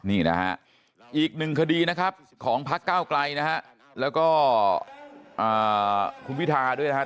อีกหนึ่งคดีของพระเก้าไกลแล้วก็คุณพิธาด้วยนะครับ